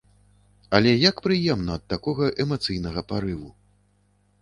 Але як прыемна ад такога эмацыйнага парыву!